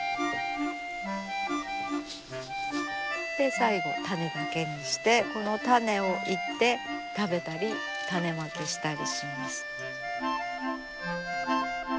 最後種だけにしてこの種を煎って食べたり種まきしたりします。